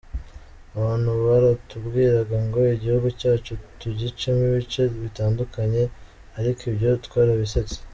Abantu baratubwiraga ngo igihugu cyacu tugicemo ibice bitandukanye ariko ibyo twarabisetse.